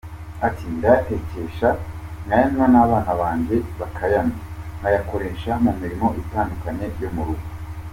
Ati ‘Ndayatekesha, nkayanywa n’abana banjye bakayanywa, nyakoresha mu mirimo itandukanye yo mu rugo.